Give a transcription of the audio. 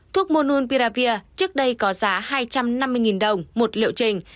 thuốc mononpiravir trước đây có giá hai trăm năm mươi đồng một liệu trình